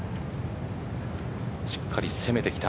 しっかり攻めてきた。